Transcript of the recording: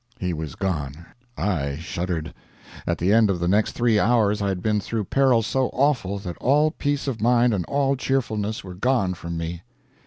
He was gone. I shuddered. At the end of the next three hours I had been through perils so awful that all peace of mind and all cheerfulness were gone from me.